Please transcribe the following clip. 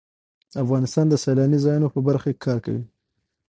افغانستان د سیلاني ځایونو په برخه کې کار کوي.